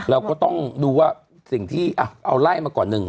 เราก็ต้องดูว่าสิ่งที่เอาไล่มาก่อนหนึ่ง